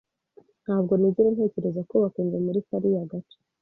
Ntabwo nigera ntekereza kubaka inzu muri kariya gace.